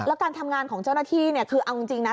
แล้วการทำงานของเจ้าหน้าที่เนี่ยคือเอาจริงนะ